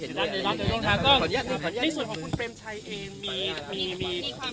สวัสดี